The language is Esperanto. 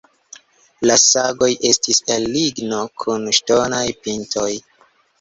La sagoj estis el ligno kun ŝtonaj pintoj.